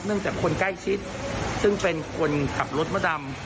จากคนใกล้ชิดซึ่งเป็นคนขับรถมดดำ